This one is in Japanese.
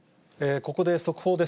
ここで速報です。